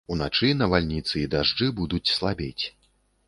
Уначы навальніцы і дажджы будуць слабець.